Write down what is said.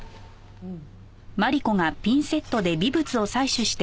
うん。